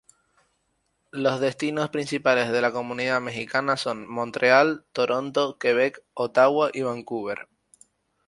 Los destinos principales de la comunidad mexicana son Montreal, Toronto, Quebec, Ottawa y Vancouver.